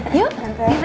aduh seru ya mama